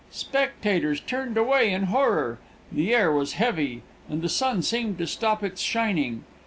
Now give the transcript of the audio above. Spectators turned away in horror. The air was heavy, and the sun seemed to stop its shining.